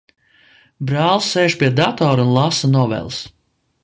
Brālis sēž pie datora un lasa noveles.